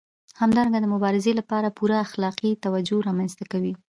همدارنګه د مبارزې لپاره پوره اخلاقي توجیه رامنځته کوي.